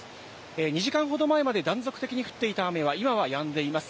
２時間ほど前まで断続的に降っていた雨は、今はやんでいます。